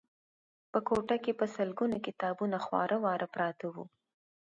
په کوټه کې په سلګونه کتابونه خواره واره پراته وو